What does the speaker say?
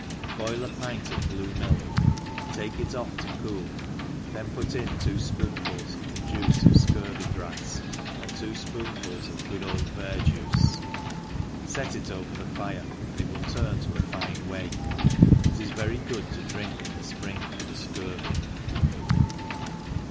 BOIL a plot of blue milk, take it off to cool, then put in two fpoonfuls of the juice of fcurvy gr^s, and two fpoonfuls of good old verjuice, fet it o?er the fire, and it will turn to a fine whey; tt is very good to drink, in the fpring for the fcurvy.